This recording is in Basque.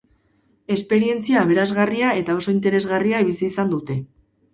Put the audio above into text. Esperientzia aberasgarria eta oso interesgarria bizi izan dute.